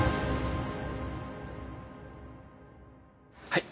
はい。